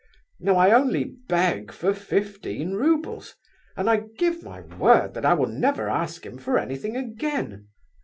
Now I only beg for fifteen roubles, and I give my word that I will never ask him for anything again.